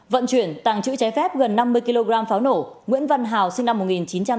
vận chuyển tàng chữ trái phép gần năm mươi kg pháo nổ nguyễn văn hào sinh năm một nghìn chín trăm tám mươi